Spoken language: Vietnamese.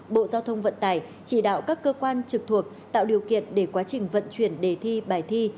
bộ giao thông vận tải chỉ đạo các cơ quan trực thuộc tạo điều kiện để quá trình vận chuyển đề thi bài thi